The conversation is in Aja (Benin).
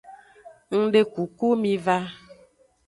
Ngdekuku miva.